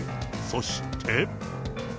そして。